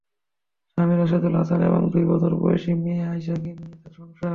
স্বামী রাশিদুল হাসান এবং দুই বছর বয়সী মেয়ে আয়েশাকে নিয়ে তাঁর সংসার।